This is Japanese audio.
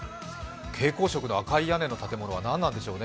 蛍光色の赤い屋根は何なんでしょうね。